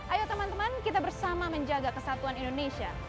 ayo teman teman kita bersama menjaga kesatuan indonesia